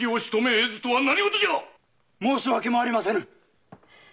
申し訳もありませぬ！